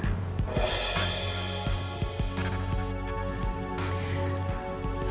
apa itu bisa mendewasakan anak bapak